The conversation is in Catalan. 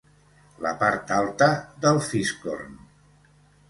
La part alta del fiscorn.